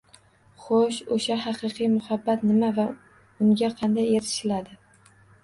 Xo‘sh, o‘shahaqiqiy muhabbat nima va unga qanday erishiladi?